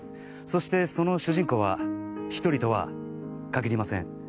そしてその主人公は１人とは限りません。